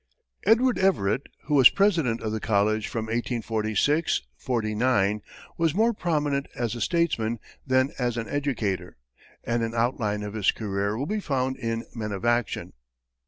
Edward Everett, who was president of the college from 1846 49, was more prominent as a statesman than as an educator, and an outline of his career will be found in "Men of Action."